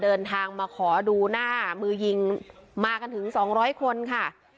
เดินทางมาขอดูหน้ามือยิงมากันถึงสองร้อยคนค่ะ